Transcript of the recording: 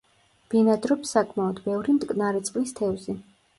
ბინადრობს საკმაოდ ბევრი მტკნარი წყლის თევზი.